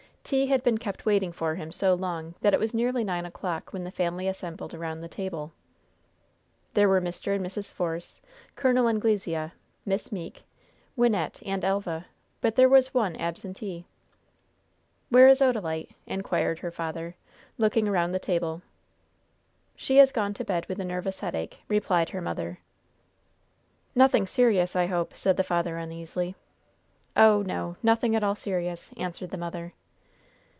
Tea had been kept waiting for him so long that it was nearly nine o'clock when the family assembled around the table. There were Mr. and Mrs. Force, Col. Anglesea, Miss Meeke, Wynnette and Elva; but there was one absentee. "Where is Odalite?" inquired her father, looking around the table. "She has gone to bed with a nervous headache," replied her mother. "Nothing serious, I hope," said the father, uneasily. "Oh, no, nothing at all serious," answered the mother.